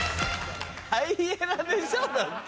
「ハイエナ」でしょ？だって。